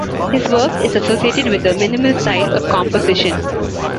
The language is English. His work is associated with the minimal style of composition.